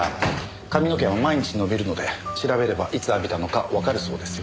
髪の毛は毎日伸びるので調べればいつ浴びたのかわかるそうですよ。